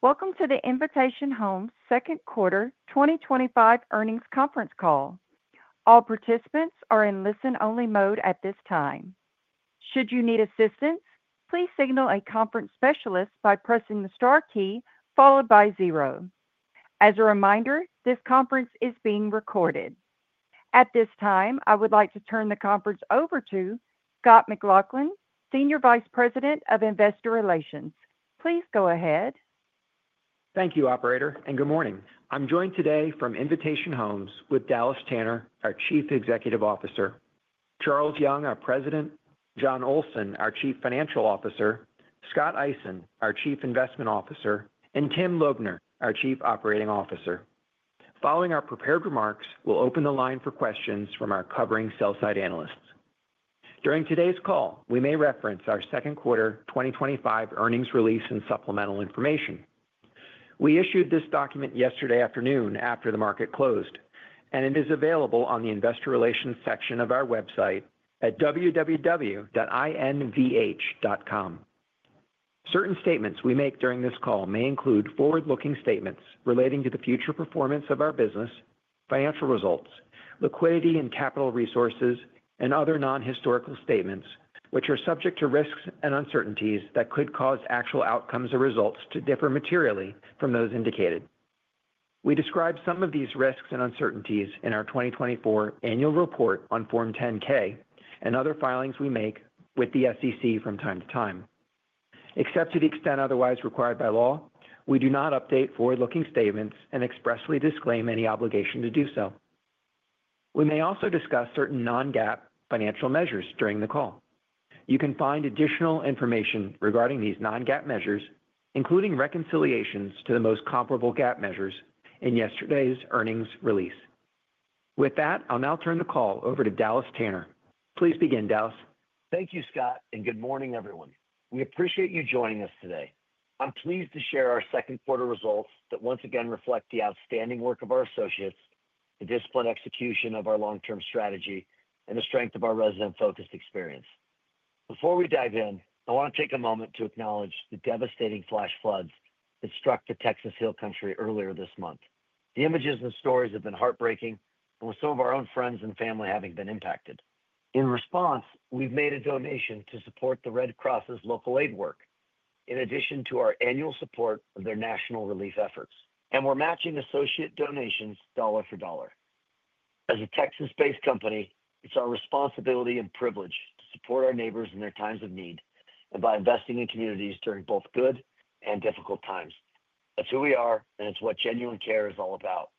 Welcome to the Invitation Homes' second quarter 2025 earnings conference call. All participants are in listen-only mode at this time. Should you need assistance, please signal a conference specialist by pressing the star key followed by zero. As a reminder, this conference is being recorded. At this time, I would like to turn the conference over to Scott McLaughlin, Senior Vice President of Investor Relations. Please go ahead. Thank you, Operator, and good morning. I'm joined today from Invitation Homes with Dallas Tanner, our Chief Executive Officer, Charles Young, our President, Jon Olsen, our Chief Financial Officer, Scott Eisen, our Chief Investment Officer, and Tim Lobner, our Chief Operating Officer. Following our prepared remarks, we'll open the line for questions from our covering sell-side analysts. During today's call, we may reference our Second Quarter 2025 earnings release and supplemental information. We issued this document yesterday afternoon after the market closed, and it is available on the Investor Relations section of our website at www.invh.com. Certain statements we make during this call may include forward-looking statements relating to the future performance of our business, financial results, liquidity and capital resources, and other non-historical statements, which are subject to risks and uncertainties that could cause actual outcomes or results to differ materially from those indicated. We describe some of these risks and uncertainties in our 2024 annual report on Form 10-K and other filings we make with the SEC from time to time. Except to the extent otherwise required by law, we do not update forward-looking statements and expressly disclaim any obligation to do so. We may also discuss certain non-GAAP financial measures during the call. You can find additional information regarding these non-GAAP measures, including reconciliations to the most comparable GAAP measures, in yesterday's earnings release. With that, I'll now turn the call over to Dallas Tanner. Please begin, Dallas. Thank you, Scott, and good morning, everyone. We appreciate you joining us today. I'm pleased to share our second-quarter results that once again reflect the outstanding work of our associates, the disciplined execution of our long-term strategy, and the strength of our resident-focused experience. Before we dive in, I want to take a moment to acknowledge the devastating flash floods that struck the Texas Hill Country earlier this month. The images and stories have been heartbreaking, with some of our own friends and family having been impacted. In response, we've made a donation to support the Red Cross's local aid work, in addition to our annual support of their national relief efforts, and we're matching associate donations dollar for dollar. As a Texas-based company, it's our responsibility and privilege to support our neighbors in their times of need and by investing in communities during both good and difficult times. That's who we are, and it's what genuine care is all about.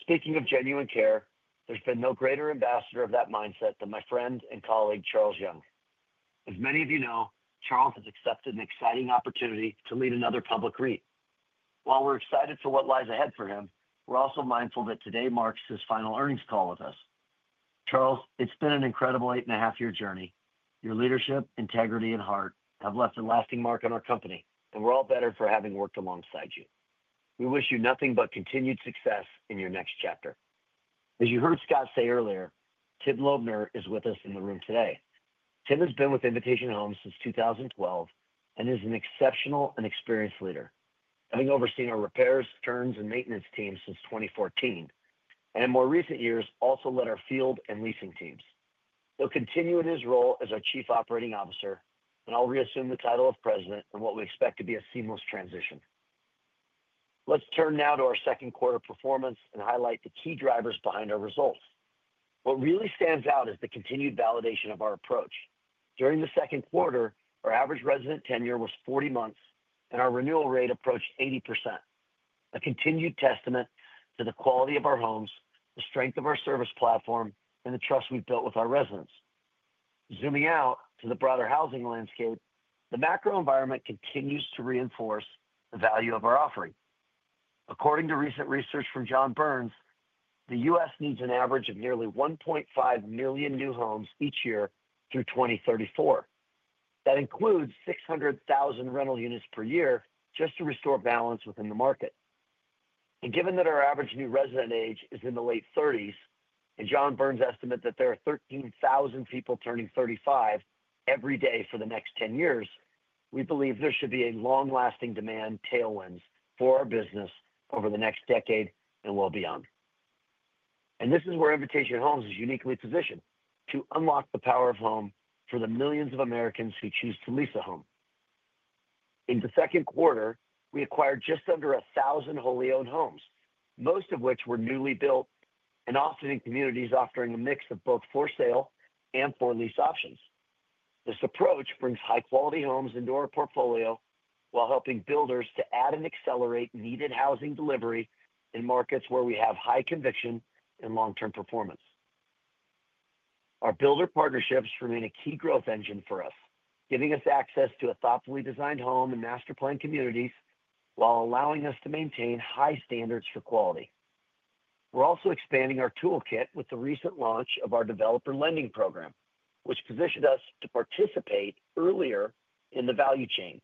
Speaking of genuine care, there's been no greater ambassador of that mindset than my friend and colleague Charles Young. As many of you know, Charles has accepted an exciting opportunity to lead another public REIT. While we're excited for what lies ahead for him, we're also mindful that today marks his final earnings call with us. Charles, it's been an incredible eight-and-a-half-year journey. Your leadership, integrity, and heart have left a lasting mark on our company, and we're all better for having worked alongside you. We wish you nothing but continued success in your next chapter. As you heard Scott say earlier, Tim Lobner is with us in the room today. Tim has been with Invitation Homes since 2012 and is an exceptional and experienced leader, having overseen our repairs, turns, and maintenance teams since 2014. In more recent years, he also led our field and leasing teams. He'll continue in his role as our Chief Operating Officer, and I'll reassume the title of President in what we expect to be a seamless transition. Let's turn now to our second-quarter performance and highlight the key drivers behind our results. What really stands out is the continued validation of our approach. During the second quarter, our average resident tenure was 40 months, and our renewal rate approached 80%, a continued testament to the quality of our homes, the strength of our service platform, and the trust we've built with our residents. Zooming out to the broader housing landscape, the macro environment continues to reinforce the value of our offering. According to recent research from John Burns, the U.S. needs an average of nearly 1.5 million new homes each year through 2034. That includes 600,000 rental units per year just to restore balance within the market. Given that our average new resident age is in the late 30s, and John Burns' estimate that there are 13,000 people turning 35 every day for the next 10 years, we believe there should be a long-lasting demand tailwind for our business over the next decade and well beyond. This is where Invitation Homes is uniquely positioned to unlock the power of home for the millions of Americans who choose to lease a home. In the second quarter, we acquired just under 1,000 wholly-owned homes, most of which were newly built and often in communities offering a mix of both for sale and for lease options. This approach brings high-quality homes into our portfolio while helping builders to add and accelerate needed housing delivery in markets where we have high conviction and long-term performance. Our builder partnerships remain a key growth engine for us, giving us access to a thoughtfully designed home and master-planned communities while allowing us to maintain high standards for quality. We're also expanding our toolkit with the recent launch of our developer lending program, which positioned us to participate earlier in the value chain,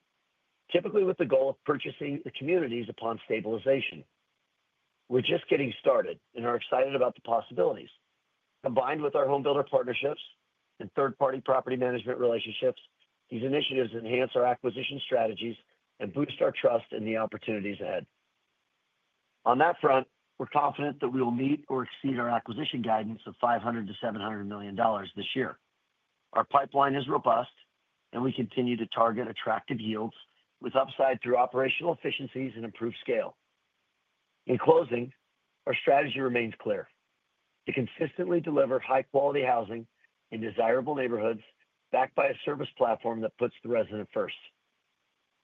typically with the goal of purchasing the communities upon stabilization. We're just getting started and are excited about the possibilities. Combined with our home builder partnerships and third-party property management relationships, these initiatives enhance our acquisition strategies and boost our trust in the opportunities ahead. On that front, we're confident that we will meet or exceed our acquisition guidance of $500 to $700 million this year. Our pipeline is robust, and we continue to target attractive yields with upside through operational efficiencies and improved scale. In closing, our strategy remains clear: to consistently deliver high-quality housing in desirable neighborhoods backed by a service platform that puts the resident first.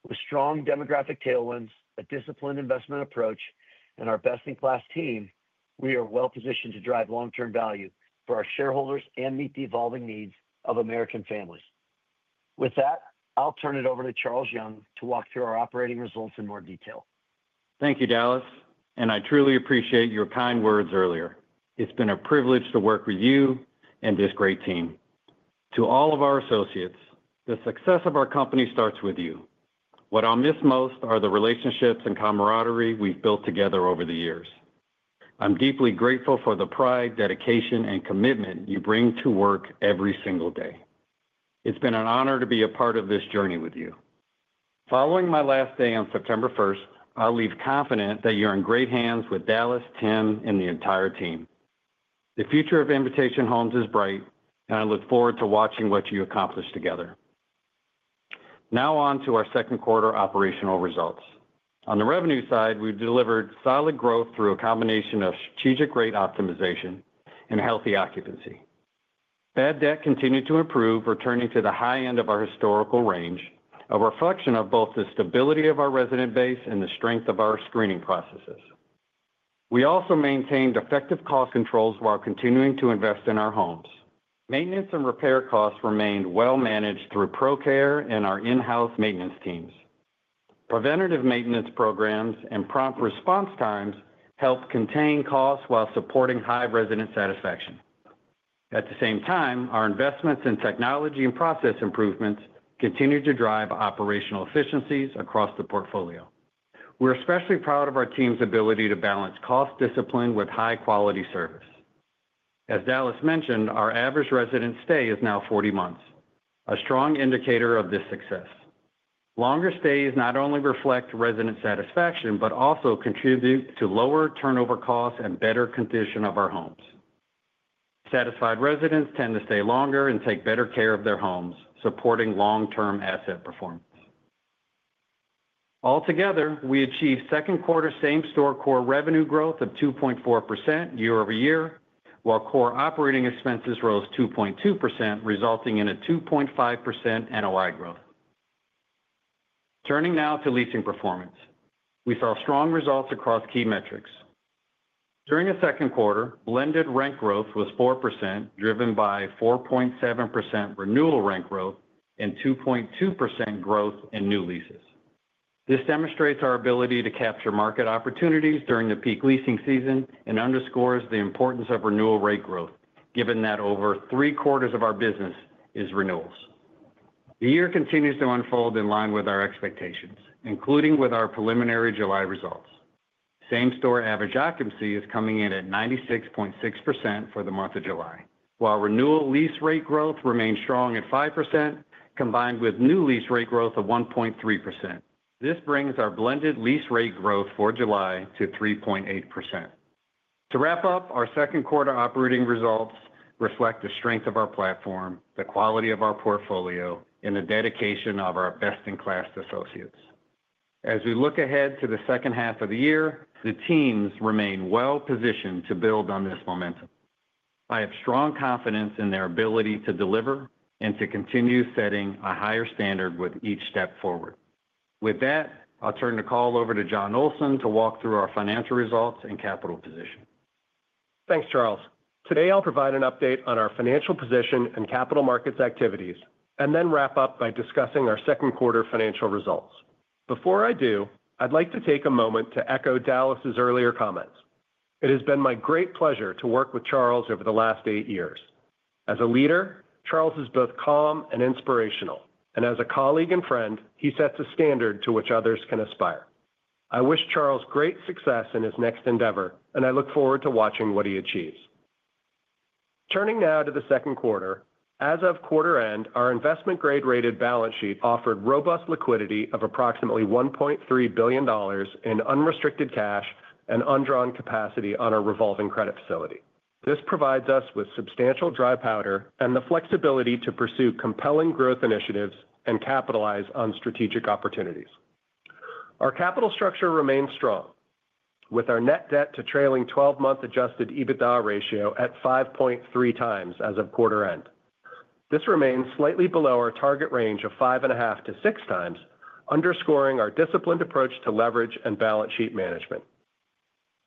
With strong demographic tailwinds, a disciplined investment approach, and our best-in-class team, we are well-positioned to drive long-term value for our shareholders and meet the evolving needs of American families. With that, I'll turn it over to Charles Young to walk through our operating results in more detail. Thank you, Dallas, and I truly appreciate your kind words earlier. It's been a privilege to work with you and this great team. To all of our associates, the success of our company starts with you. What I'll miss most are the relationships and camaraderie we've built together over the years. I'm deeply grateful for the pride, dedication, and commitment you bring to work every single day. It's been an honor to be a part of this journey with you. Following my last day on September 1, I'll leave confident that you're in great hands with Dallas, Tim, and the entire team. The future of Invitation Homes is bright, and I look forward to watching what you accomplish together. Now on to our second-quarter operational results. On the revenue side, we've delivered solid growth through a combination of strategic rate optimization and healthy occupancy. Bad debt continued to improve, returning to the high end of our historical range, a reflection of both the stability of our resident base and the strength of our screening processes. We also maintained effective cost controls while continuing to invest in our homes. Maintenance and repair costs remained well-managed through ProCare and our in-house maintenance teams. Preventative maintenance programs and prompt response times helped contain costs while supporting high resident satisfaction. At the same time, our investments in technology and process improvements continue to drive operational efficiencies across the portfolio. We're especially proud of our team's ability to balance cost discipline with high-quality service. As Dallas mentioned, our average resident stay is now 40 months, a strong indicator of this success. Longer stays not only reflect resident satisfaction but also contribute to lower turnover costs and better condition of our homes. Satisfied residents tend to stay longer and take better care of their homes, supporting long-term asset performance. Altogether, we achieved second-quarter same-store core revenue growth of 2.4% year-over-year, while core operating expenses rose 2.2%, resulting in a 2.5% annualized growth. Turning now to leasing performance, we saw strong results across key metrics. During the second quarter, blended rent growth was 4%, driven by 4.7% renewal rent growth and 2.2% growth in new leases. This demonstrates our ability to capture market opportunities during the peak leasing season and underscores the importance of renewal rate growth, given that over three-quarters of our business is renewals. The year continues to unfold in line with our expectations, including with our preliminary July results. Same-store average occupancy is coming in at 96.6% for the month of July, while renewal lease rate growth remains strong at 5%, combined with new lease rate growth of 1.3%. This brings our blended lease rate growth for July to 3.8%. To wrap up, our second-quarter operating results reflect the strength of our platform, the quality of our portfolio, and the dedication of our best-in-class associates. As we look ahead to the second half of the year, the teams remain well-positioned to build on this momentum. I have strong confidence in their ability to deliver and to continue setting a higher standard with each step forward. With that, I'll turn the call over to Jon Olsen to walk through our financial results and capital position. Thanks, Charles. Today, I'll provide an update on our financial position and capital markets activities, and then wrap up by discussing our second quarter financial results. Before I do, I'd like to take a moment to echo Dallas's earlier comments. It has been my great pleasure to work with Charles over the last eight years. As a leader, Charles is both calm and inspirational, and as a colleague and friend, he sets a standard to which others can aspire. I wish Charles great success in his next endeavor, and I look forward to watching what he achieves. Turning now to the second quarter, as of quarter end, our investment-grade rated balance sheet offered robust liquidity of approximately $1.3 billion in unrestricted cash and undrawn capacity on our revolving credit facility. This provides us with substantial dry powder and the flexibility to pursue compelling growth initiatives and capitalize on strategic opportunities. Our capital structure remains strong, with our net debt to trailing 12-month Adjusted EBITDA ratio at 5.3 times as of quarter end. This remains slightly below our target range of 5.5 to 6 times, underscoring our disciplined approach to leverage and balance sheet management.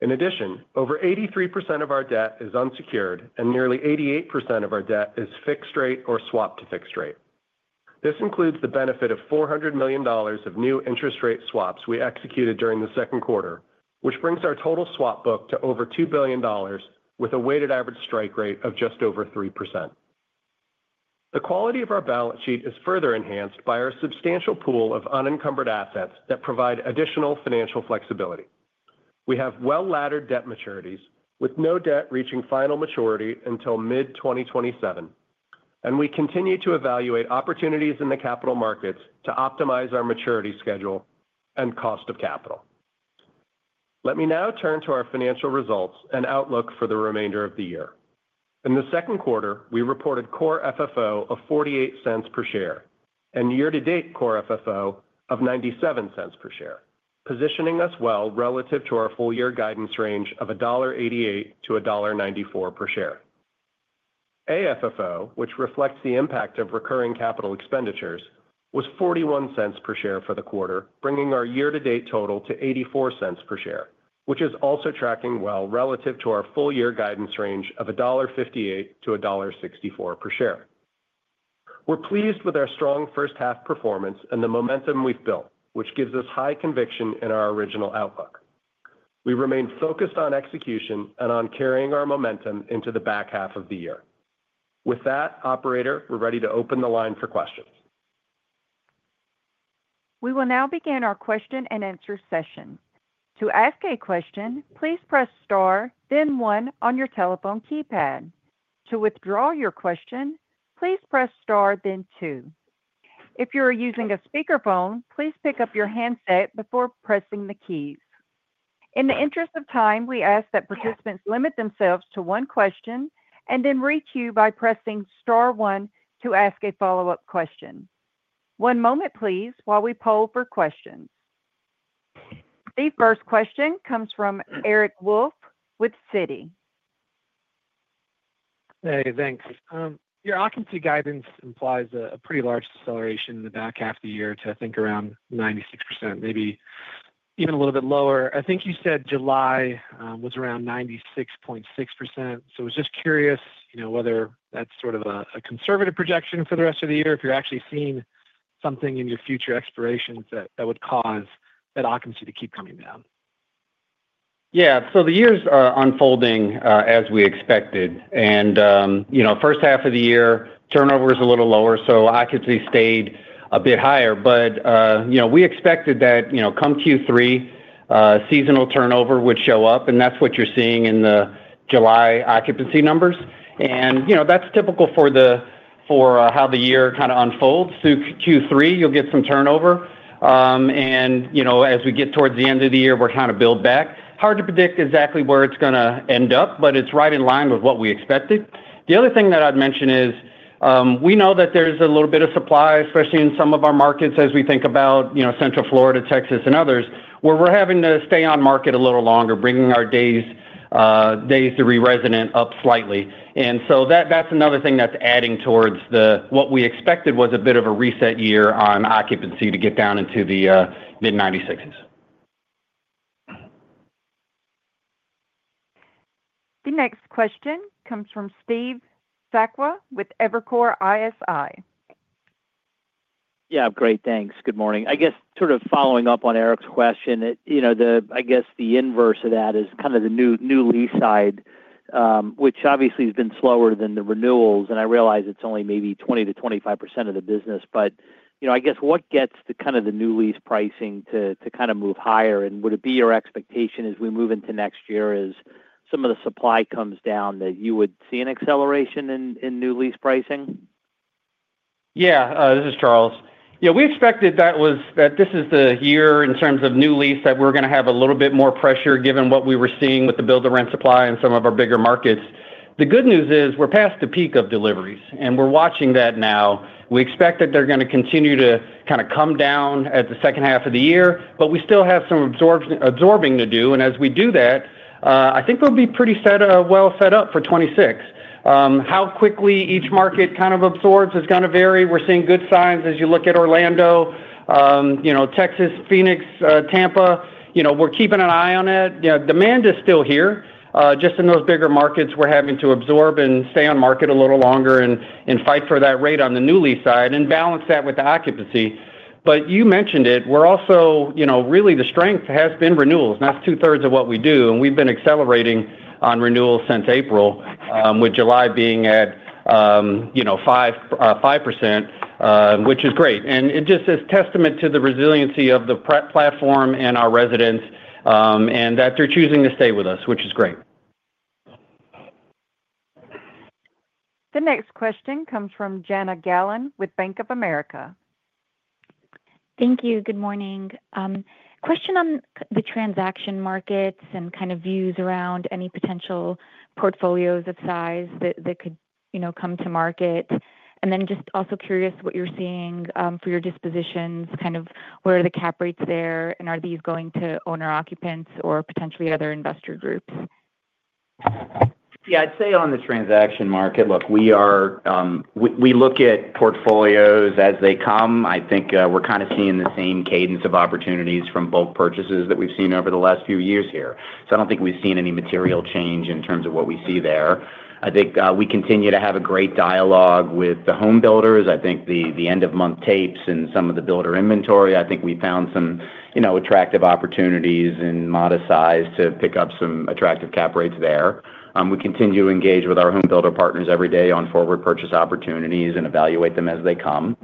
In addition, over 83% of our debt is unsecured, and nearly 88% of our debt is fixed-rate or swapped to fixed-rate. This includes the benefit of $400 million of new interest rate swaps we executed during the second quarter, which brings our total swap book to over $2 billion, with a weighted average strike rate of just over 3%. The quality of our balance sheet is further enhanced by our substantial pool of unencumbered assets that provide additional financial flexibility. We have well-laddered debt maturities, with no debt reaching final maturity until mid-2027, and we continue to evaluate opportunities in the capital markets to optimize our maturity schedule and cost of capital. Let me now turn to our financial results and outlook for the remainder of the year. In the second quarter, we reported Core FFO of $0.48 per share and year-to-date Core FFO of $0.97 per share, positioning us well relative to our full-year guidance range of $1.88 to $1.94 per share. AFFO, which reflects the impact of recurring capital expenditures, was $0.41 per share for the quarter, bringing our year-to-date total to $0.84 per share, which is also tracking well relative to our full-year guidance range of $1.58 to $1.64 per share. We're pleased with our strong first-half performance and the momentum we've built, which gives us high conviction in our original outlook. We remain focused on execution and on carrying our momentum into the back half of the year. With that, Operator, we're ready to open the line for questions. We will now begin our question-and-answer session. To ask a question, please press star, then one on your telephone keypad. To withdraw your question, please press star, then two. If you are using a speakerphone, please pick up your handset before pressing the keys. In the interest of time, we ask that participants limit themselves to one question and then reach you by pressing star one to ask a follow-up question. One moment, please, while we poll for questions. The first question comes from Eric Wolfe with Citi. Hey, thanks. Your occupancy guidance implies a pretty large acceleration in the back half of the year to, I think, around 96%, maybe even a little bit lower. I think you said July was around 96.6%. I was just curious whether that's sort of a conservative projection for the rest of the year, if you're actually seeing something in your future expirations that would cause that occupancy to keep coming down. Yeah, so the years are unfolding as we expected. The first half of the year, turnover was a little lower, so occupancy stayed a bit higher. We expected that come Q3, seasonal turnover would show up, and that's what you're seeing in the July occupancy numbers. That's typical for how the year kind of unfolds. Through Q3, you'll get some turnover, and as we get towards the end of the year, we kind of build back. Hard to predict exactly where it's going to end up, but it's right in line with what we expected. The other thing that I'd mention is we know that there's a little bit of supply, especially in some of our markets as we think about Central Florida, Texas, and others, where we're having to stay on market a little longer, bringing our days to re-resident up slightly. That's another thing that's adding towards what we expected was a bit of a reset year on occupancy to get down into the mid-96s. The next question comes from Steve Sakwa with Evercore ISI. Yeah, great, thanks. Good morning. I guess sort of following up on Eric's question, the inverse of that is kind of the new lease side, which obviously has been slower than the renewals. I realize it's only maybe 20% to 25% of the business, but I guess what gets to kind of the new lease pricing to move higher? Would it be your expectation as we move into next year as some of the supply comes down that you would see an acceleration in new lease pricing? Yeah, this is Charles. We expected that this is the year in terms of new lease that we're going to have a little bit more pressure given what we were seeing with the Build-to-Rent supply in some of our bigger markets. The good news is we're past the peak of deliveries, and we're watching that now. We expect that they're going to continue to kind of come down at the second half of the year, but we still have some absorbing to do. As we do that, I think we'll be pretty well set up for 2026. How quickly each market kind of absorbs is going to vary. We're seeing good signs as you look at Orlando, Texas, Phoenix, Tampa. We're keeping an eye on it. Demand is still here. Just in those bigger markets, we're having to absorb and stay on market a little longer and fight for that rate on the new lease side and balance that with the occupancy. You mentioned it. We're also really the strength has been renewals. That's two-thirds of what we do. We've been accelerating on renewals since April, with July being at 5%, which is great. It just is testament to the resiliency of the platform and our residents and that they're choosing to stay with us, which is great. The next question comes from Jana Galan with Bank of America. Thank you. Good morning. Question on the transaction markets and views around any potential portfolios of size that could come to market. I'm also curious what you're seeing for your dispositions, where are the Cap Rates there, and are these going to owner-occupants or potentially other investor groups? Yeah, I'd say on the transaction market, look, we look at portfolios as they come. I think we're kind of seeing the same cadence of opportunities from bulk purchases that we've seen over the last few years here. I don't think we've seen any material change in terms of what we see there. I think we continue to have a great dialogue with the home builders. I think the end-of-month tapes and some of the builder inventory, I think we found some attractive opportunities in modest size to pick up some attractive Cap Rates there. We continue to engage with our home builder partners every day on forward purchase opportunities and evaluate them as they come.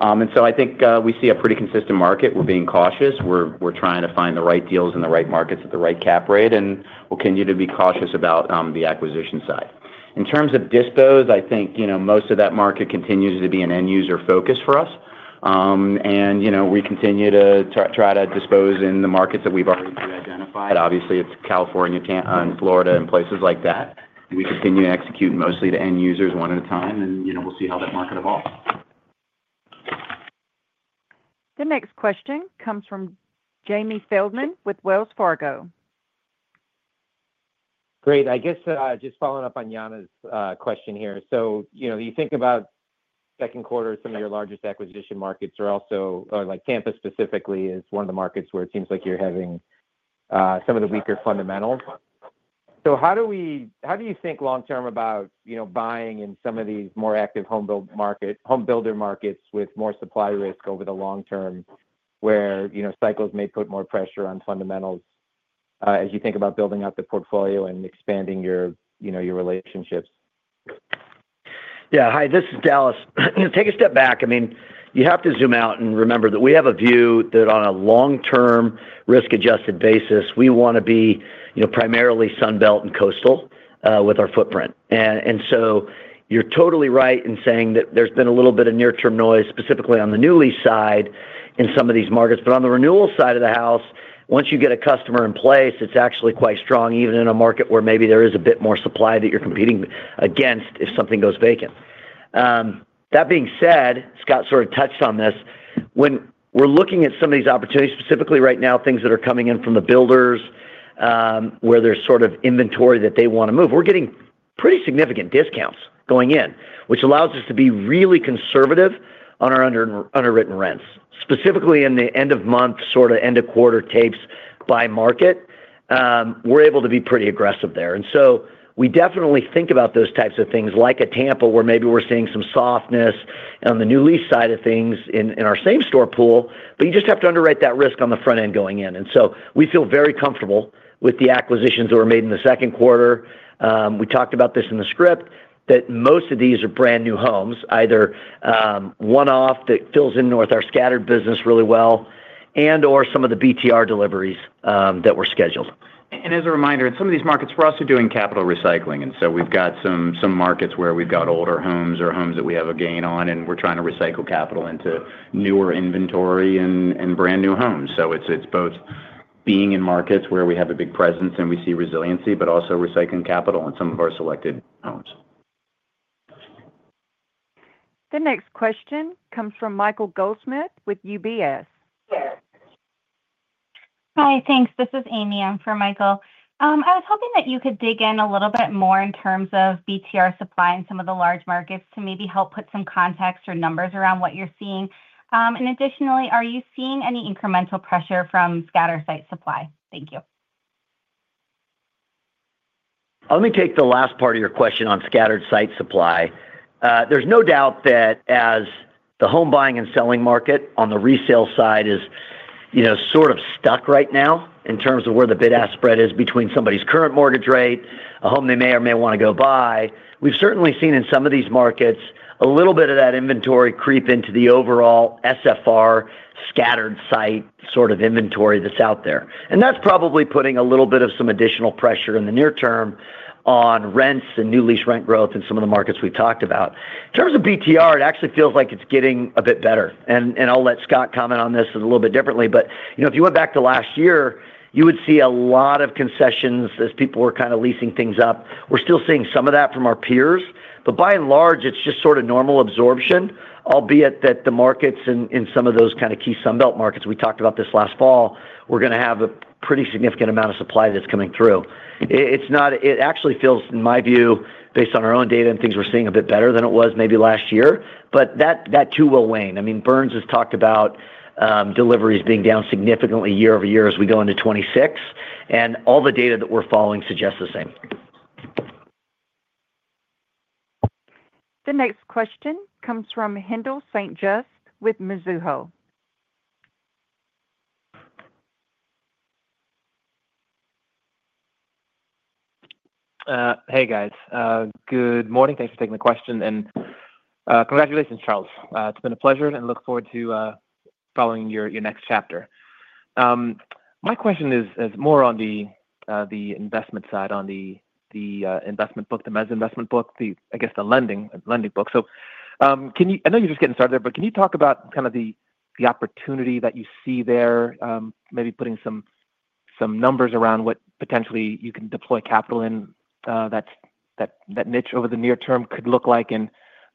I think we see a pretty consistent market. We're being cautious. We're trying to find the right deals in the right markets at the right Cap Rate, and we'll continue to be cautious about the acquisition side. In terms of dispos, I think most of that market continues to be an end-user focus for us. We continue to try to dispose in the markets that we've already identified. Obviously, it's California and Florida and places like that. We continue to execute mostly to end users one at a time, and we'll see how that market evolves. The next question comes from Jamie Feldman with Wells Fargo. Great. I guess just following up on Jana's question here. You think about second quarter, some of your largest acquisition markets are also, like Tampa specifically, is one of the markets where it seems like you're having some of the weaker fundamentals. How do you think long-term about buying in some of these more active home builder markets with more supply risk over the long term, where cycles may put more pressure on fundamentals as you think about building out the portfolio and expanding your relationships? Yeah, hi, this is Dallas. Take a step back. I mean, you have to zoom out and remember that we have a view that on a long-term risk-adjusted basis, we want to be primarily Sunbelt and coastal with our footprint. You're totally right in saying that there's been a little bit of near-term noise, specifically on the new lease side in some of these markets. On the renewal side of the house, once you get a customer in place, it's actually quite strong, even in a market where maybe there is a bit more supply that you're competing against if something goes vacant. That being said, Scott sort of touched on this. When we're looking at some of these opportunities, specifically right now, things that are coming in from the builders where there's sort of inventory that they want to move, we're getting pretty significant discounts going in, which allows us to be really conservative on our underwritten rents, specifically in the end-of-month, sort of end-of-quarter tapes by market. We're able to be pretty aggressive there. We definitely think about those types of things like a Tampa where maybe we're seeing some softness on the new lease side of things in our same-store pool, but you just have to underwrite that risk on the front end going in. We feel very comfortable with the acquisitions that were made in the second quarter. We talked about this in the script, that most of these are brand new homes, either one-off that fills in with our scattered business really well, and/or some of the BTR deliveries that were scheduled. As a reminder, in some of these markets, we're also doing capital recycling. We have some markets where we've got older homes or homes that we have a gain on, and we're trying to recycle capital into newer inventory and brand new homes. It's both being in markets where we have a big presence and we see resiliency, but also recycling capital on some of our selected homes. The next question comes from Michael Goldsmith with UBS. Hi, thanks. This is Amy in for Michael. I was hoping that you could dig in a little bit more in terms of BTR supply in some of the large markets to maybe help put some context or numbers around what you're seeing. Additionally, are you seeing any incremental pressure from scattered site supply? Thank you. Let me take the last part of your question on scattered site supply. There's no doubt that as the home buying and selling market on the resale side is sort of stuck right now in terms of where the bid-ask spread is between somebody's current mortgage rate, a home they may or may want to go buy, we've certainly seen in some of these markets a little bit of that inventory creep into the overall SFR scattered site sort of inventory that's out there. That's probably putting a little bit of some additional pressure in the near term on rents and new lease rent growth in some of the markets we've talked about. In terms of BTR, it actually feels like it's getting a bit better. I'll let Scott comment on this a little bit differently, but if you went back to last year, you would see a lot of concessions as people were kind of leasing things up. We're still seeing some of that from our peers, but by and large, it's just sort of normal absorption, albeit that the markets in some of those kind of key Sunbelt markets we talked about this last fall, we're going to have a pretty significant amount of supply that's coming through. It actually feels, in my view, based on our own data and things we're seeing, a bit better than it was maybe last year, but that too will wane. Burns has talked about deliveries being down significantly year-over-year as we go into 2026, and all the data that we're following suggests the same. The next question comes from Haendel St. Juste with Mizuho. Hey, guys. Good morning. Thanks for taking the question. Congratulations, Charles. It's been a pleasure, and I look forward to following your next chapter. My question is more on the investment side, on the investment book, the Mezz investment book, I guess the lending book. I know you're just getting started there, but can you talk about kind of the opportunity that you see there, maybe putting some numbers around what potentially you can deploy capital in that niche over the near term could look like and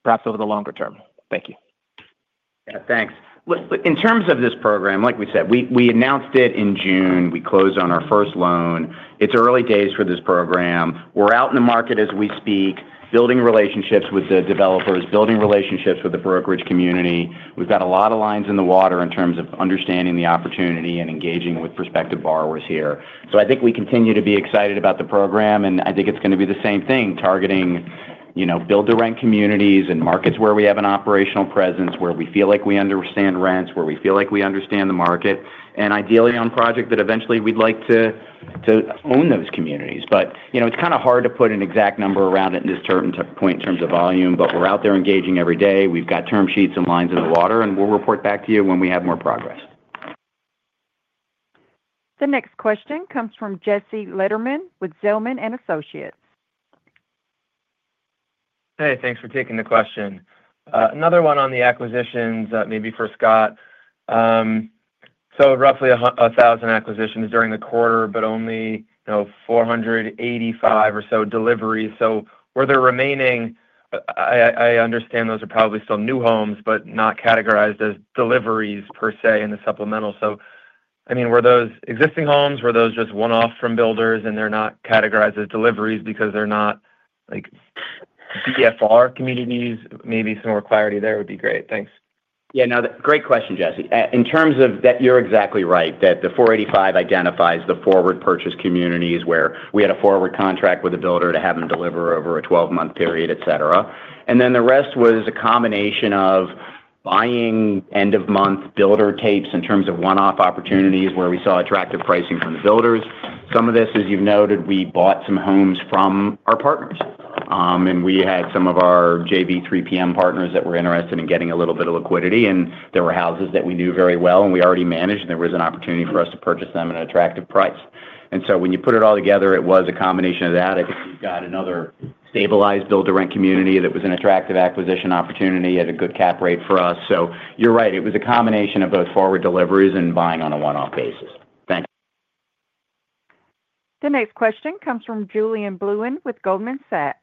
perhaps over the longer term? Thank you. Yeah, thanks. In terms of this program, like we said, we announced it in June. We closed on our first loan. It's early days for this program. We're out in the market as we speak, building relationships with the developers, building relationships with the brokerage community. We've got a lot of lines in the water in terms of understanding the opportunity and engaging with prospective borrowers here. I think we continue to be excited about the program, and I think it's going to be the same thing, targeting Build-to-Rent communities and markets where we have an operational presence, where we feel like we understand rents, where we feel like we understand the market, and ideally on a project that eventually we'd like to own those communities. It's kind of hard to put an exact number around it at this certain point in terms of volume, but we're out there engaging every day. We've got term sheets and lines in the water, and we'll report back to you when we have more progress. The next question comes from Jesse Lederman with Zelman & Associates. Hey, thanks for taking the question. Another one on the acquisitions, maybe for Scott. Roughly 1,000 acquisitions during the quarter, but only 485 or so deliveries. Were the remaining, I understand those are probably still new homes, but not categorized as deliveries per se in the supplemental. I mean, were those existing homes? Were those just one-off from builders, and they're not categorized as deliveries because they're not BTR communities? Maybe some more clarity there would be great. Thanks. Yeah, no, great question, Jesse. In terms of that, you're exactly right, that the 485 identifies the forward purchase communities where we had a forward contract with a builder to have them deliver over a 12-month period, etc. The rest was a combination of buying end-of-month builder tapes in terms of one-off opportunity where we saw attractive pricing from the builders. Some of this, as you've noted, we bought some homes from our partners. We had some of our JV partners that were interested in getting a little bit of liquidity. There were houses that we knew very well, and we already managed. There was an opportunity for us to purchase them at an attractive price. When you put it all together, it was a combination of that. I guess you've got another stabilized Build-to-Rent community that was an attractive acquisition opportunity, had a good Cap Rate for us. You're right. It was a combination of both forward deliveries and buying on a one-off basis. Thanks. The next question comes from Julien Blouin with Goldman Sachs.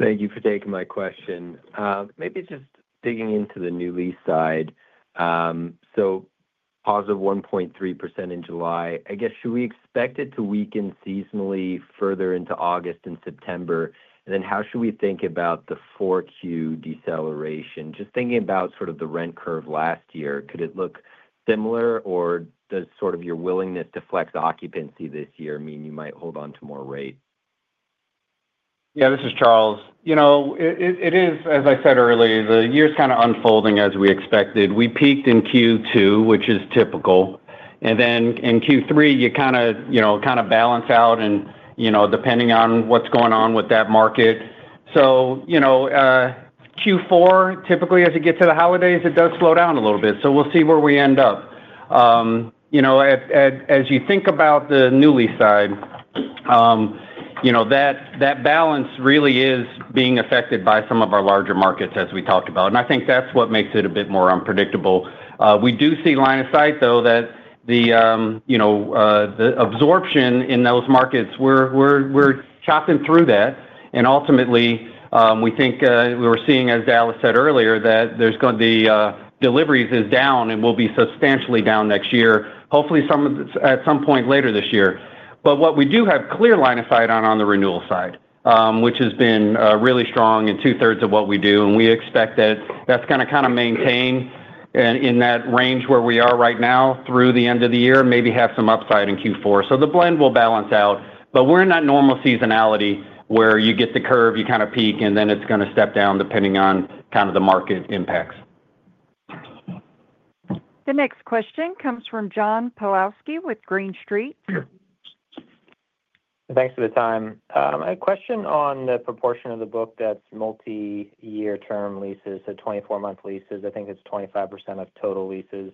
Thank you for taking my question. Maybe just digging into the new lease side. Positive 1.3% in July. Should we expect it to weaken seasonally further into August and September? How should we think about the 4Q deceleration? Just thinking about sort of the rent curve last year, could it look similar, or does your willingness to flex occupancy this year mean you might hold on to more rate? Yeah, this is Charles. It is, as I said earlier, the year's kind of unfolding as we expected. We peaked in Q2, which is typical. In Q3, you kind of balance out, depending on what's going on with that market. Q4, typically as you get to the holidays, it does slow down a little bit. We'll see where we end up. As you think about the new lease side, that balance really is being affected by some of our larger markets, as we talked about. I think that's what makes it a bit more unpredictable. We do see line of sight, though, that the absorption in those markets, we're chopping through that. Ultimately, we think we were seeing, as Dallas said earlier, that the deliveries is down and will be substantially down next year, hopefully at some point later this year. What we do have clear line of sight on is on the renewal side, which has been really strong in two-thirds of what we do. We expect that that's going to kind of maintain in that range where we are right now through the end of the year and maybe have some upside in Q4. The blend will balance out, but we're in that normal seasonality where you get the curve, you kind of peak, and then it's going to step down depending on the market impacts. The next question comes from John Pawlowski with Green Street. Thanks for the time. I have a question on the proportion of the book that's multi-year term leases, so 24-month leases. I think it's 25% of total leases.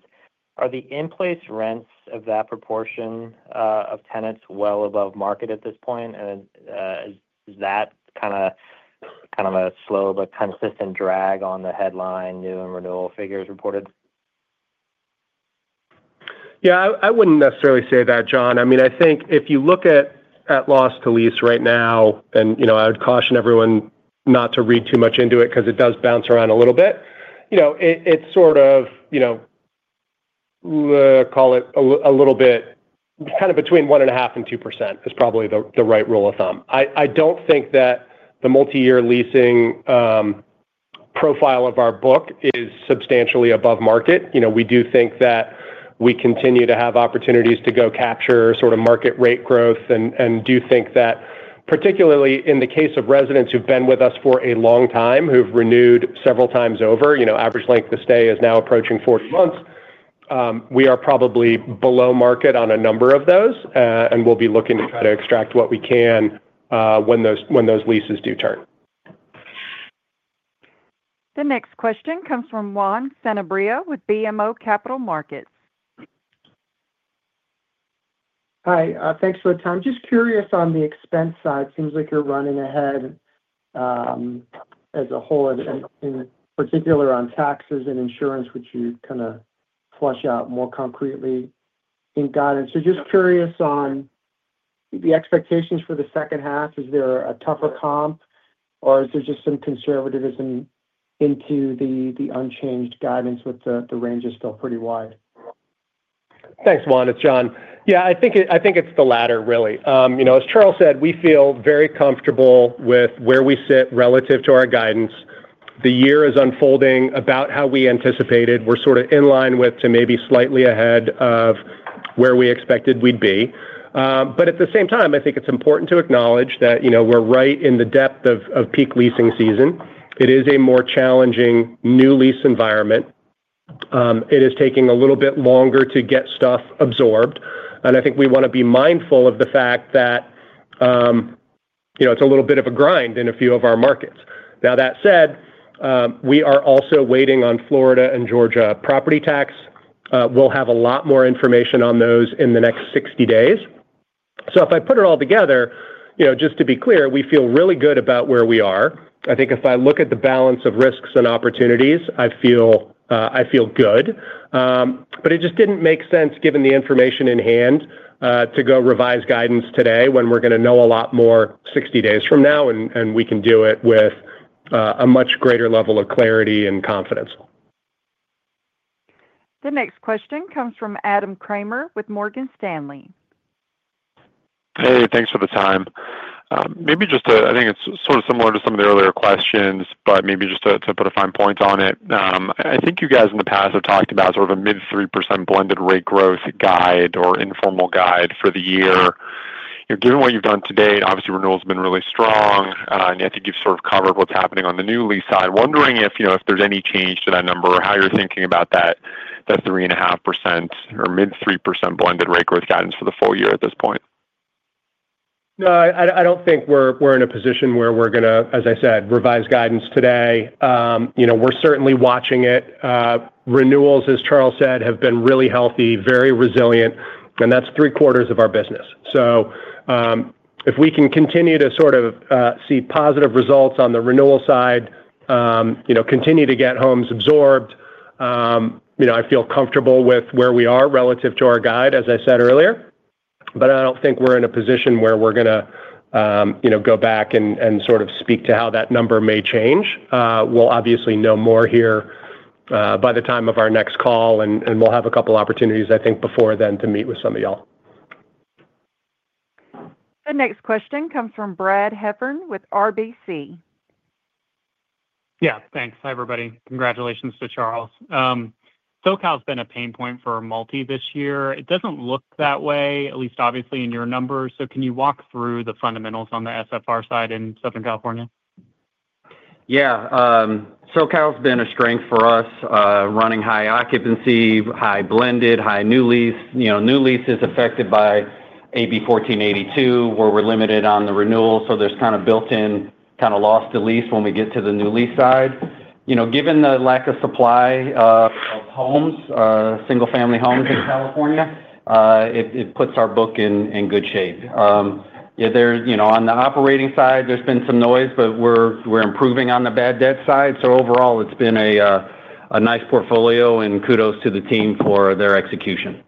Are the in-place rents of that proportion of tenants well above market at this point? Is that kind of a slow but consistent drag on the headline new and renewal figures reported? Yeah, I wouldn't necessarily say that, Jon. I think if you look at Loss to Lease right now, I would caution everyone not to read too much into it because it does bounce around a little bit. It's sort of, call it a little bit kind of between 1.5% and 2% is probably the right rule of thumb. I don't think that the multi-year leasing profile of our book is substantially above market. We do think that we continue to have opportunities to go capture sort of market rate growth and do think that, particularly in the case of residents who've been with us for a long time, who've renewed several times over, average length of stay is now approaching 14 months. We are probably below market on a number of those, and we'll be looking to extract what we can when those leases do turn. The next question comes from Juan Sanabria with BMO Capital Markets. Hi, thanks for the time. Just curious on the expense side. It seems like you're running ahead, as a whole, in particular on taxes and insurance, which you kind of flesh out more concretely in guidance. Just curious on the expectations for the second half. Is there a tougher comp, or is there just some conservatism into the unchanged guidance with the ranges still pretty wide? Thanks, Juan. It's Jon. Yeah, I think it's the latter, really. As Charles said, we feel very comfortable with where we sit relative to our guidance. The year is unfolding about how we anticipated. We're sort of in line with to maybe slightly ahead of where we expected we'd be. At the same time, I think it's important to acknowledge that we're right in the depth of peak leasing season. It is a more challenging new lease environment. It is taking a little bit longer to get stuff absorbed. I think we want to be mindful of the fact that it's a little bit of a grind in a few of our markets. That said, we are also waiting on Florida and Georgia property tax. We'll have a lot more information on those in the next 60 days. If I put it all together, just to be clear, we feel really good about where we are. I think if I look at the balance of risks and opportunities, I feel good. It just didn't make sense, given the information in hand, to go revise guidance today when we're going to know a lot more 60 days from now, and we can do it with a much greater level of clarity and confidence. The next question comes from Adam Kramer with Morgan Stanley. Hey, thanks for the time. Maybe just a, I think it's sort of similar to some of the earlier questions, but maybe just to put a fine point on it. I think you guys in the past have talked about sort of a mid-3% blended rent growth guide or informal guide for the year. Given what you've done today, obviously, renewals have been really strong, and I think you've sort of covered what's happening on the new lease side. Wondering if there's any change to that number or how you're thinking about that 3.5% or mid-3% blended rent growth guidance for the full year at this point. No, I don't think we're in a position where we're going to, as I said, revise guidance today. We're certainly watching it. Renewals, as Charles said, have been really healthy, very resilient, and that's three-quarters of our business. If we can continue to sort of see positive results on the renewal side and continue to get homes absorbed, I feel comfortable with where we are relative to our guide, as I said earlier. I don't think we're in a position where we're going to go back and sort of speak to how that number may change. We'll obviously know more here by the time of our next call, and we'll have a couple of opportunities, I think, before then to meet with some of y'all. The next question comes from Brad Heffern with RBC. Yeah, thanks. Hi, everybody. Congratulations to Charles. Southern California has been a pain point for multi this year. It doesn't look that way, at least obviously in your numbers. Can you walk through the fundamentals on the SFR side in Southern California? Yeah. SoCal has been a strength for us, running high occupancy, high blended, high new lease. New lease is affected by AB 1482, where we're limited on the renewal. There's kind of built-in kind of Loss to Lease when we get to the new lease side. Given the lack of supply of homes, single-family homes in California, it puts our book in good shape. On the operating side, there's been some noise, but we're improving on the bad debt side. Overall, it's been a nice portfolio, and kudos to the team for their execution.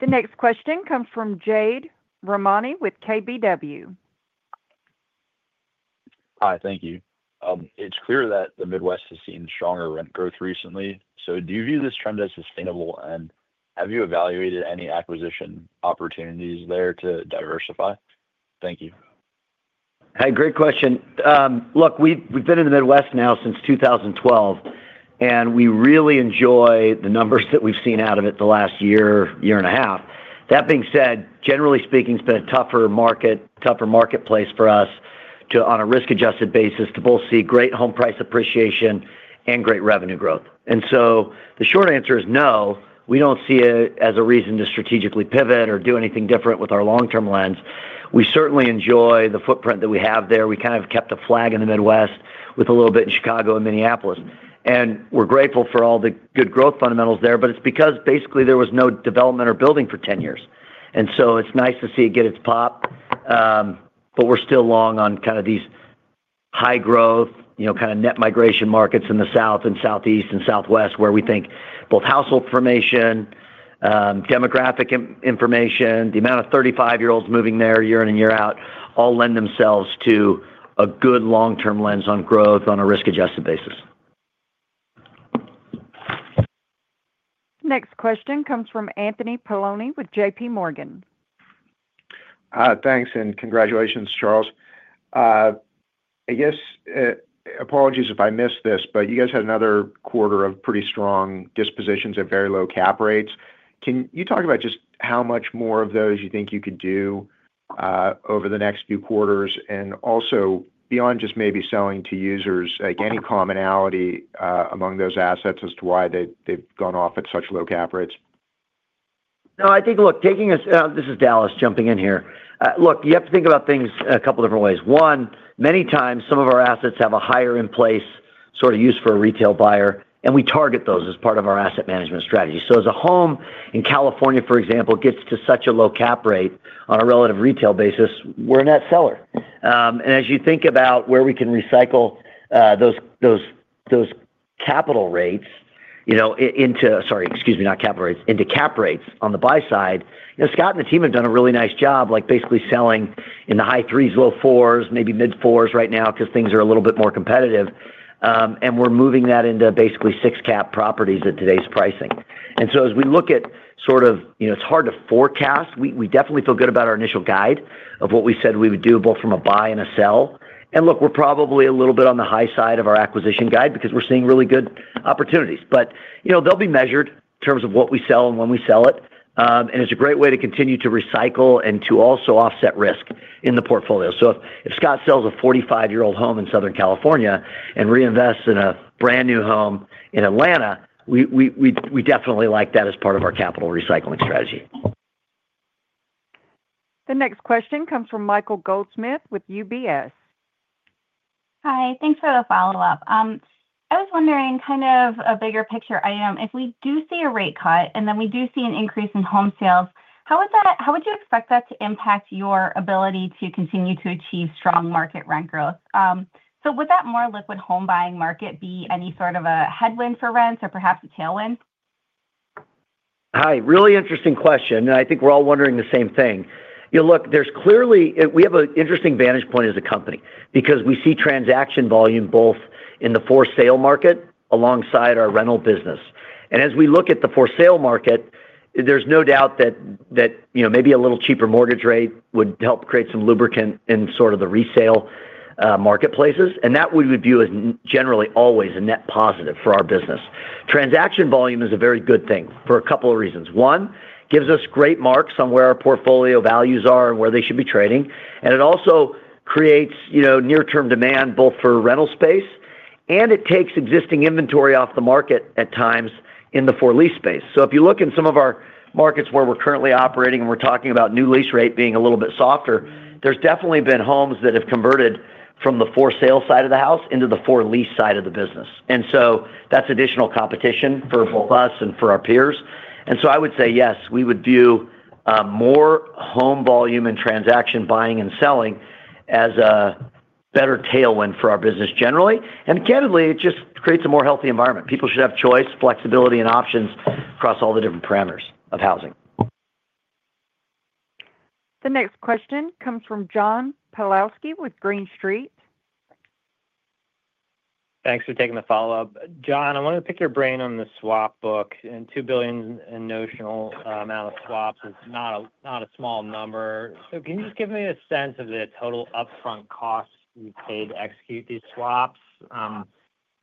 The next question comes from Jade Rahmani with KBW. Hi, thank you. It's clear that the Midwest has seen stronger rent growth recently. Do you view this trend as sustainable, and have you evaluated any acquisition opportunities there to diversify? Thank you. Hey, great question. Look, we've been in the Midwest now since 2012, and we really enjoy the numbers that we've seen out of it the last year, year and a half. That being said, generally speaking, it's been a tougher market, tougher marketplace for us on a risk-adjusted basis to both see great home price appreciation and great revenue growth. The short answer is no. We don't see it as a reason to strategically pivot or do anything different with our long-term lens. We certainly enjoy the footprint that we have there. We kind of kept a flag in the Midwest with a little bit in Chicago and Minneapolis. We're grateful for all the good growth fundamentals there, but it's because basically there was no development or building for 10 years. It's nice to see it get its pop. We're still long on kind of these high-growth kind of net migration markets in the South and Southeast and Southwest, where we think both household formation, demographic information, the amount of 35-year-olds moving there year in and year out, all lend themselves to a good long-term lens on growth on a risk-adjusted basis. Next question comes from Anthony Poloni with JPMorgan. Thanks and congratulations, Charles. I guess. Apologies if I missed this, but you guys had another quarter of pretty strong dispositions at very low Cap Rates. Can you talk about just how much more of those you think you could do over the next few quarters and also beyond just maybe selling to users, like any commonality among those assets as to why they've gone off at such low Cap Rates? No, I think, look, taking us, this is Dallas jumping in here. Look, you have to think about things a couple of different ways. One, many times some of our assets have a higher in-place sort of use for a retail buyer, and we target those as part of our asset management strategy. As a home in California, for example, gets to such a low Cap Rate on a relative retail basis, we're a net seller. As you think about where we can recycle those Cap Rates into, sorry, excuse me, not capital rates, into Cap Rates on the buy side. Scott and the team have done a really nice job, basically selling in the high threes, low fours, maybe mid-fours right now because things are a little bit more competitive. We're moving that into basically six-cap properties at today's pricing. As we look at sort of, it's hard to forecast. We definitely feel good about our initial guide of what we said we would do both from a buy and a sell. We're probably a little bit on the high side of our acquisition guide because we're seeing really good opportunities. They'll be measured in terms of what we sell and when we sell it. It's a great way to continue to recycle and to also offset risk in the portfolio. If Scott sells a 45-year-old home in Southern California and reinvests in a brand new home in Atlanta, we definitely like that as part of our capital recycling strategy. The next question comes from Michael Goldsmith with UBS. Hi, thanks for the follow-up. I was wondering, kind of a bigger picture item, if we do see a rate cut and then we do see an increase in home sales, how would you expect that to impact your ability to continue to achieve strong market rent growth? Would that more liquid home buying market be any sort of a headwind for rents or perhaps a tailwind? Hi, really interesting question. I think we're all wondering the same thing. Look, we have an interesting vantage point as a company because we see transaction volume both in the for sale market alongside our rental business. As we look at the for sale market, there's no doubt that maybe a little cheaper mortgage rate would help create some lubricant in sort of the resale marketplaces. We would view that as generally always a net positive for our business. Transaction volume is a very good thing for a couple of reasons. One, it gives us great marks on where our portfolio values are and where they should be trading. It also creates near-term demand both for rental space, and it takes existing inventory off the market at times in the for lease space. If you look in some of our markets where we're currently operating and we're talking about new lease rate being a little bit softer, there's definitely been homes that have converted from the for sale side of the house into the for lease side of the business. That's additional competition for us and for our peers. I would say, yes, we would view more home volume and transaction buying and selling as a better tailwind for our business generally. Candidly, it just creates a more healthy environment. People should have choice, flexibility, and options across all the different parameters of housing. The next question comes from John Pawlowski with Green Street. Thanks for taking the follow-up. Jon, I want to pick your brain on the swap book. $2 billion in notional amount of swaps is not a small number. Can you just give me a sense of the total upfront cost you paid to execute these swaps?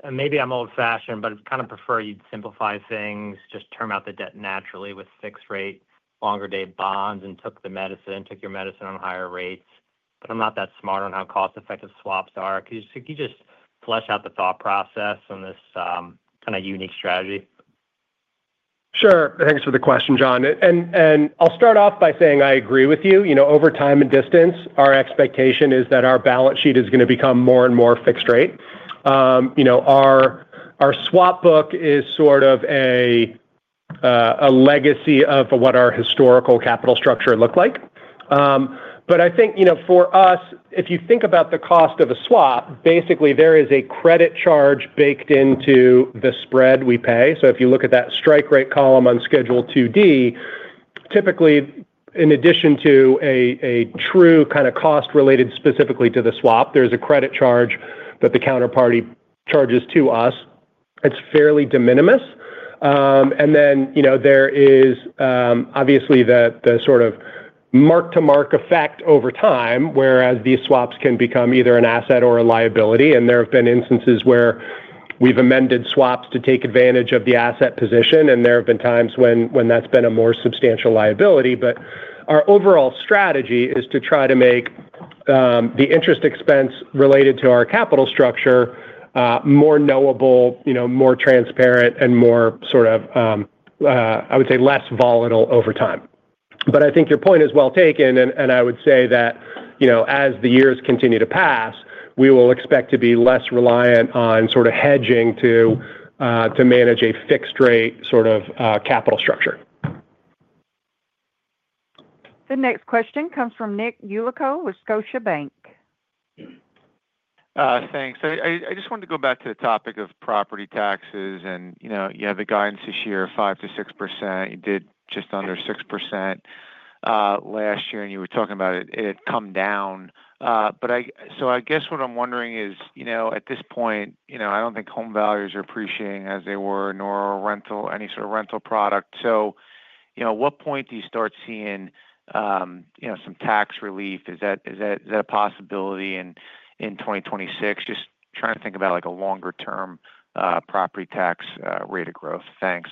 Maybe I'm old-fashioned, but I'd kind of prefer you simplify things, just term out the debt naturally with fixed rate, longer-day bonds, and took the medicine, took your medicine on higher rates. I'm not that smart on how cost-effective swaps are. Could you just flesh out the thought process on this kind of unique strategy? Sure. Thanks for the question, John. I'll start off by saying I agree with you. Over time and distance, our expectation is that our balance sheet is going to become more and more fixed rate. Our swap book is sort of a legacy of what our historical capital structure looked like. I think for us, if you think about the cost of a swap, basically there is a credit charge baked into the spread we pay. If you look at that strike rate column on Schedule 2D, typically, in addition to a true kind of cost related specifically to the swap, there's a credit charge that the counterparty charges to us. It's fairly de minimis. There is obviously the sort of mark-to-market effect over time, whereas these swaps can become either an asset or a liability. There have been instances where we've amended swaps to take advantage of the asset position, and there have been times when that's been a more substantial liability. Our overall strategy is to try to make the interest expense related to our capital structure more knowable, more transparent, and less volatile over time. I think your point is well taken. I would say that as the years continue to pass, we will expect to be less reliant on hedging to manage a fixed-rate capital structure. The next question comes from Nick Yulico with Scotiabank. Thanks. I just wanted to go back to the topic of property taxes. You have a guidance this year, 5% to 6%. You did just under 6% last year, and you were talking about it, it had come down. I guess what I'm wondering is, at this point, I don't think home values are appreciating as they were, nor any sort of rental product. At what point do you start seeing some tax relief? Is that a possibility in 2026? Just trying to think about a longer-term property tax rate of growth. Thanks.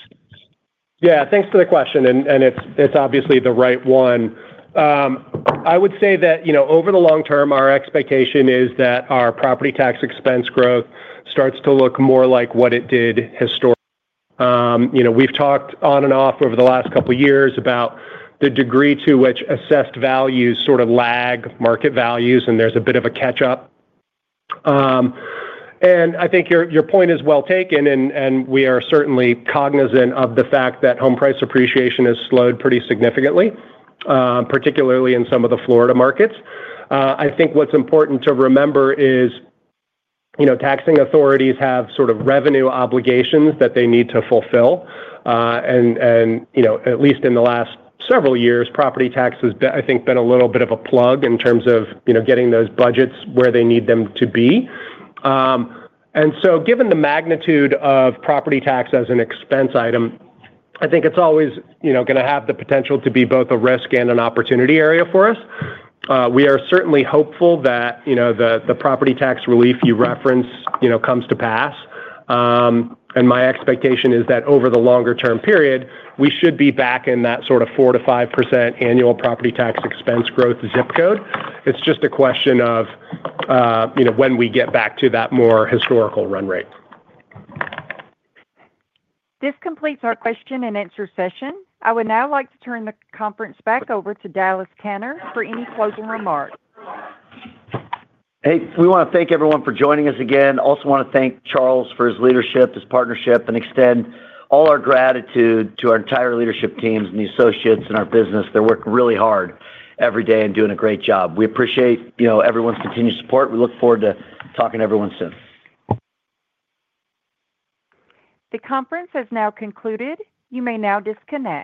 Yeah, thanks for the question. It's obviously the right one. I would say that over the long term, our expectation is that our property tax expense growth starts to look more like what it did historically. We've talked on and off over the last couple of years about the degree to which assessed values sort of lag market values, and there's a bit of a catch-up. I think your point is well taken, and we are certainly cognizant of the fact that home price appreciation has slowed pretty significantly, particularly in some of the Florida markets. I think what's important to remember is taxing authorities have sort of revenue obligations that they need to fulfill. At least in the last several years, property tax has, I think, been a little bit of a plug in terms of getting those budgets where they need them to be. Given the magnitude of property tax as an expense item, I think it's always going to have the potential to be both a risk and an opportunity area for us. We are certainly hopeful that the property tax relief you reference comes to pass. My expectation is that over the longer-term period, we should be back in that sort of 4% to 5% annual property tax expense growth zip code. It's just a question of when we get back to that more historical run rate. This completes our question and answer session. I would now like to turn the conference back over to Dallas Tanner for any closing remarks. Hey, we want to thank everyone for joining us again. Also want to thank Charles for his leadership, his partnership, and extend all our gratitude to our entire leadership teams and the associates and our business. They're working really hard every day and doing a great job. We appreciate everyone's continued support. We look forward to talking to everyone soon. The conference has now concluded. You may now disconnect.